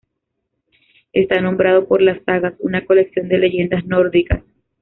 Está nombrado por las sagas, una colección de leyendas nórdicas.